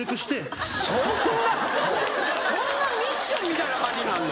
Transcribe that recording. そんなミッションみたいな感じになんの？